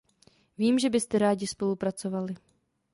Vím, že byste rádi spolupracovali.